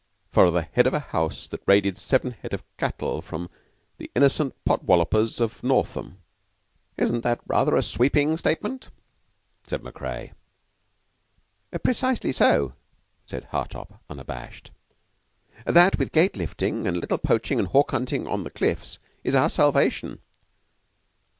"For the head of a house that raided seven head of cattle from the innocent pot wallopers of Northam, isn't that rather a sweeping statement?" said Macrea. "Precisely so," said Hartopp, unabashed. "That, with gate lifting, and a little poaching and hawk hunting on the cliffs, is our salvation."